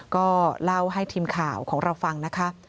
ก็เล่าให้ทีมข่าวของเราฟังนะคะ